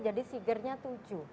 jadi sigernya tujuh